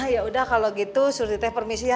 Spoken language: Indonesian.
yaudah kalo gitu surti teh permisi ya